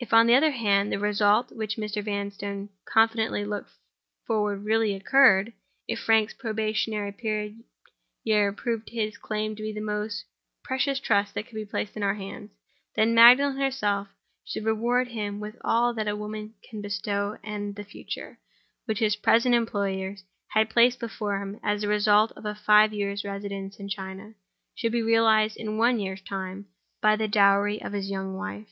If, on the other hand, the result to which Mr. Vanstone confidently looked forward really occurred—if Frank's probationary year proved his claim to the most precious trust that could be placed in his hands—then Magdalen herself should reward him with all that a woman can bestow; and the future, which his present employers had placed before him as the result of a five years' residence in China, should be realized in one year's time, by the dowry of his young wife.